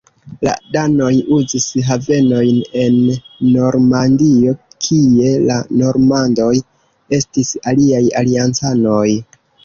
La danoj uzis havenojn en Normandio kie la normandoj estis iliaj aliancanoj.